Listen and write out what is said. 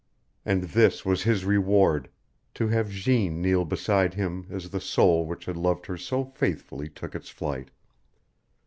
And this was his reward, to have Jeanne kneel beside him as the soul which had loved her so faithfully took its flight.